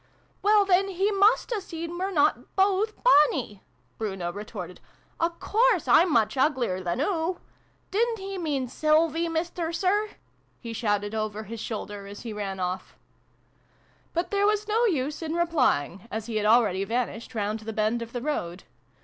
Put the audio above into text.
" Well, then he must have seen we're not both bonnie!" Bruno retorted. " A course I'm much uglier than oo ! Didn't he mean Sylvie, Mister Sir ?" he shouted over his shoulder, as he ran off. iv] THE DOG KING. 57 But there was no use in replying, as he had already vanished round the bend of the road.